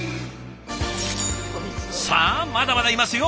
さあまだまだいますよ